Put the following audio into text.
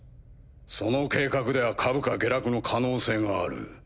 その計画では株価下落の可能性がある。